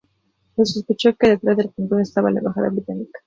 Se sospechó que detrás del complot estaba la embajada británica.